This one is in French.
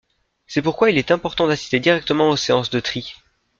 C’est pourquoi il est important d’assister directement aux séances de tri.